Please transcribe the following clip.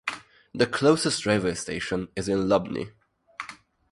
The closest railway station is in Lubny.